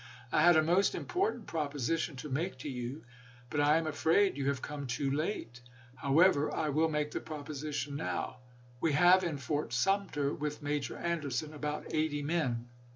I had a most important proposition to make to you. But I am afraid you have come too late. How ever, I will make the proposition now. "We have in Fort Sumter, with Major Anderson, about eighty men.